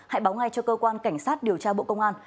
hãy báo ngay cho cơ quan cảnh sát điều tra bộ công an